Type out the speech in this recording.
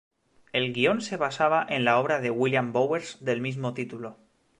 El guion se basaba en la obra de William Bowers del mismo título.